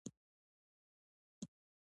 بې تعلیمه فرهنګ کمزوری وي.